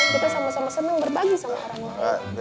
kita sama sama seneng berbagi sama orang lain